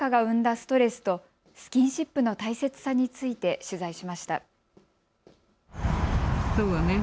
ストレスとスキンシップの大切さについて取材しました。